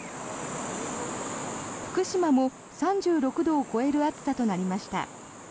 福島も３６度超える暑さとなりました。